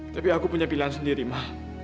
tapi aku punya pilihan sendiri mah